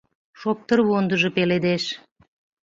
Шоптырвондыжо пеледеш